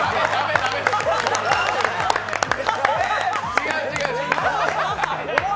違う違う。